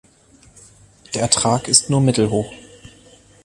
Der Ertrag ist nur mittelhoch.